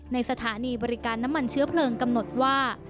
สถานีบริการน้ำมันเชื้อเพลิงกำหนดว่า